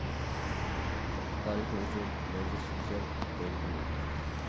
تارىخى ئۇزۇن، مەنزىرىسى گۈزەل، بايلىقى مول.